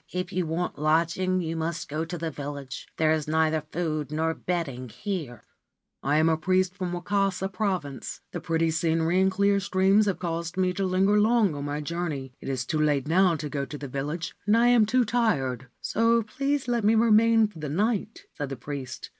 If you want lodging you must go to the village. There is neither food nor bedding here.' 4 1 am a priest from Wakasa Province. The pretty scenery and clear streams have caused me to linger long on my journey. It is too late now to go to the village, and I am too tired : so please let me remain for the night,' said the priest.